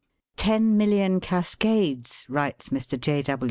"Ten million cas cades," writes Mr. J.